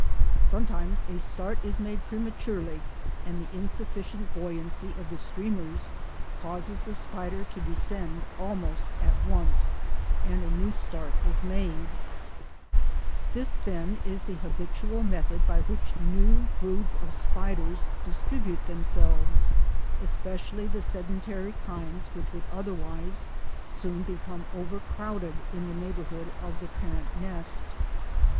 Sometimes a start is made prematurely and the insufficient buoyancy of the streamers causes the spider to descend almost at once, and a new start is made. [Illustration: Fig. 4. Young spider preparing for an aerial voyage.] This, then, is the habitual method by which new broods of spiders distribute themselves, especially the sedentary kinds which would otherwise soon become over crowded in the neighbourhood of the parent nest.